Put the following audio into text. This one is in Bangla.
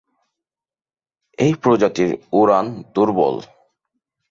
এই প্রজাতির উড়ান দুর্বল।